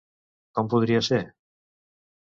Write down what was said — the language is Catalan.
Com podria ser?